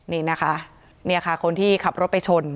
นี่นะคะคนที่ขับรถไปชน